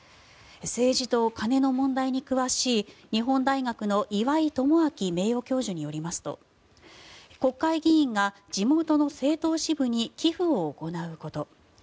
政治と金の問題に詳しい日本大学の岩井奉信名誉教授によりますと国会議員が地元の政党支部に寄付を行うこと